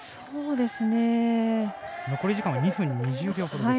残り時間２分２０秒ほどです。